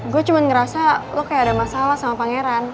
gue cuma ngerasa lo kayak ada masalah sama pangeran